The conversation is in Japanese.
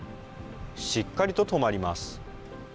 しっかりと止まります。